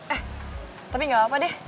eh tapi gak apa apa deh